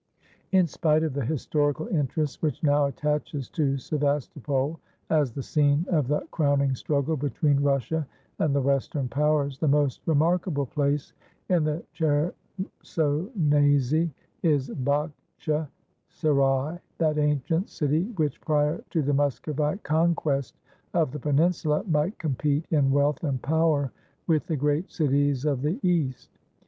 In spite of the historical interest which now attaches to Sevastopol, as the scene of the crowning struggle between Russia and the Western Powers, the most remarkable place in the Chersonese is Bagtche Serai, "that ancient city which, prior to the Muscovite conquest of the peninsula, might compete in wealth and power with the great cities of the East."